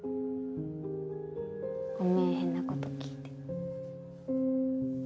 ごめん変なこと聞いて。